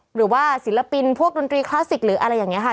หรือว่าศิลปินพวกดนตรีคลาสสิกหรืออะไรอย่างนี้ค่ะ